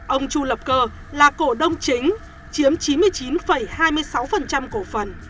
ông chu lập cơ là cổ đông chính chiếm chín mươi chín hai mươi sáu cổ phần